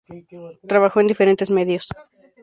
Trabajó en diferentes medios.